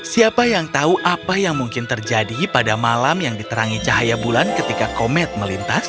siapa yang tahu apa yang mungkin terjadi pada malam yang diterangi cahaya bulan ketika komet melintas